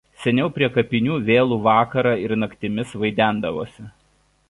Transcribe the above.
Seniau prie kapinių vėlų vakarą ir naktimis vaidendavosi.